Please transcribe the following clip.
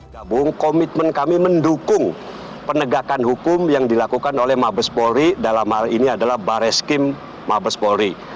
gabung komitmen kami mendukung penegakan hukum yang dilakukan oleh mabes polri dalam hal ini adalah bareskrim mabes polri